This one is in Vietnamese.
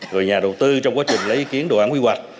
rồi nhà đầu tư trong quá trình lấy ý kiến đồ án quy hoạch